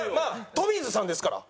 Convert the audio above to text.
トミーズさんですから。